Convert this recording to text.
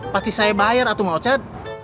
pasti saya bayar atau mau chad